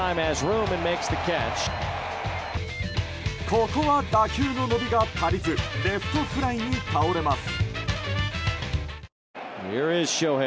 ここは打球の伸びが足りずレフトフライに倒れます。